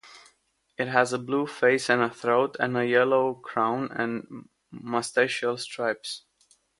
It has a blue face and throat, and a yellow crown and moustachial stripes.